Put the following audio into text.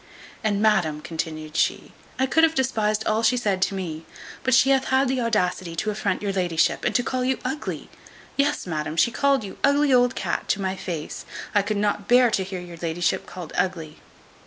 "And, madam," continued she, "I could have despised all she said to me; but she hath had the audacity to affront your ladyship, and to call you ugly Yes, madam, she called you ugly old cat to my face. I could not bear to hear your ladyship called ugly."